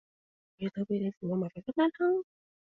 遇到標點符號麻煩分兩行